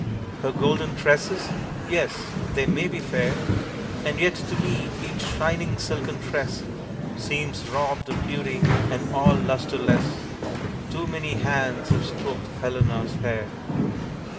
"Her golden tresses?" yes, they may be fair, And yet to me each shining silken tress Seems robbed of beauty and all lusterless Too many hands have stroked Helena's hair.